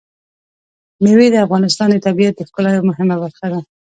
مېوې د افغانستان د طبیعت د ښکلا یوه مهمه برخه ده.